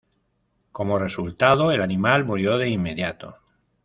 Como resultado, el animal murió de inmediato.